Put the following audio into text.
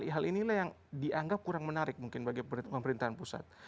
hal inilah yang dianggap kurang menarik mungkin bagi pemerintahan pusat